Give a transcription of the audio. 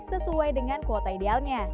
sesuai dengan kuota idealnya